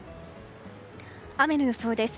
雨の予想です。